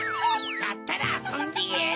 だったらあそんでやる！